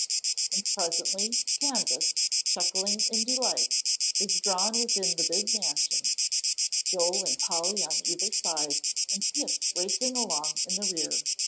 And presently Candace, chuckling in delight, was drawn within the big mansion, Joel and Polly on either side, and Pip racing along in the rear.